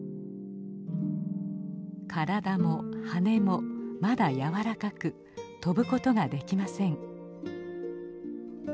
体も羽もまだ柔らかく飛ぶことができません。